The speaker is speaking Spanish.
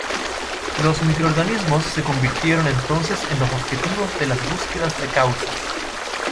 Los microorganismos se convirtieron entonces en los objetivos de las búsquedas de causas.